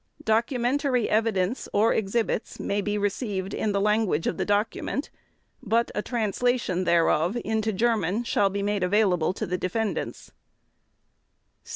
Documentary evidence or exhibits may be received in the language of the document, but a translation thereof into German shall be made available to the defendants.